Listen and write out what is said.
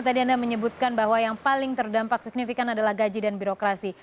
tadi anda menyebutkan bahwa yang paling terdampak signifikan adalah gaji dan birokrasi